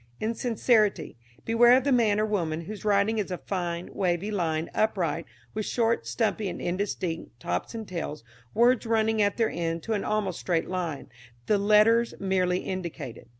Insincerity. Beware of the man or woman whose writing is a fine, wavy line, upright, with short, stumpy and indistinct tops and tails, words running at their end to an almost straight line, the letters merely indicated.